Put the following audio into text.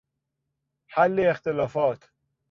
حل اختلافات